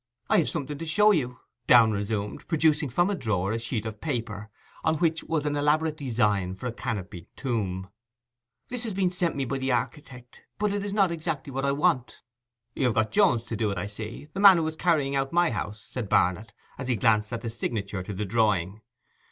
'I have something to show you,' Downe resumed, producing from a drawer a sheet of paper on which was an elaborate design for a canopied tomb. 'This has been sent me by the architect, but it is not exactly what I want.' 'You have got Jones to do it, I see, the man who is carrying out my house,' said Barnet, as he glanced at the signature to the drawing.